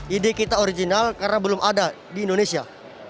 jadi kita original karena belum ada di indonesia